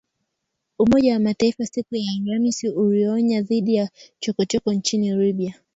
Umoja wa Mataifa siku ya Alhamisi ulionya dhidi ya chokochoko nchini Libya